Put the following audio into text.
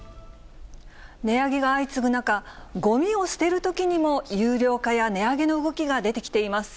値上げが相次ぐ中、ごみを捨てるときにも有料化や値上げの動きが出てきています。